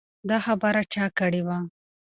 دا خبره چا کړې وه؟